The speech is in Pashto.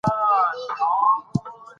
موږ د غوره راتلونکي هیله لرو.